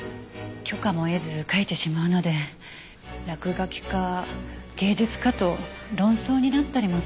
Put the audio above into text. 許可も得ず描いてしまうので落書きか芸術かと論争になったりもするんですが。